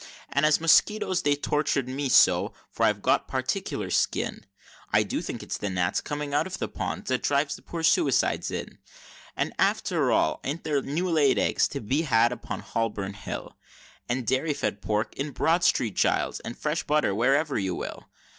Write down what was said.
And as to moskitoes they tortured me so, for I've got a particular skin, I do think it's the gnats coming out of the ponds that drives the poor suicides in! And after all an't there new laid eggs to be had upon Holborn Hill? And dairy fed pork in Broad St. Giles's, and fresh butter wherever you will?